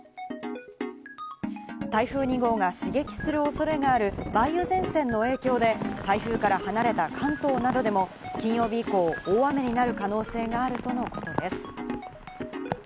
台風２号が刺激する恐れがある梅雨前線の影響で、台風から離れた関東などでも金曜日以降、大雨になる可能性があるとのことです。